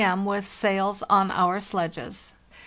M. with sails on our sledges.